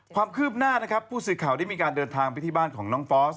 ความคืบหน้านะครับผู้สื่อข่าวได้มีการเดินทางไปที่บ้านของน้องฟอส